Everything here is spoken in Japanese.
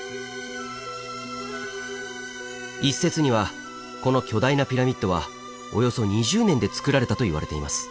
一説にはこの巨大なピラミッドはおよそ２０年でつくられたといわれています。